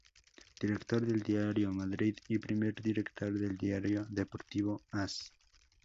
Director del diario "Madrid" y primer director del diario deportivo "As".